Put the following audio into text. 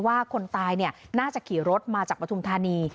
คนตายน่าจะขี่รถมาจากปฐุมธานี